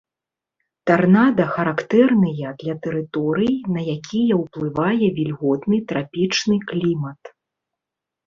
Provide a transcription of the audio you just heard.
Тарнада характэрныя для тэрыторый, на якія уплывае вільготны трапічны клімат.